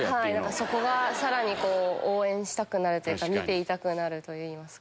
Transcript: そこがさらに応援したくなるというか見ていたくなると言いますか。